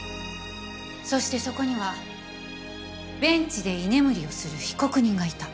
そしてそこにはベンチで居眠りをする被告人がいた。